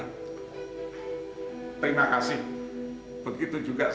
terima kasih begitu juga sama ibu